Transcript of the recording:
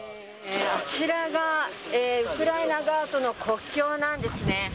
あちらがウクライナ側との国境なんですね。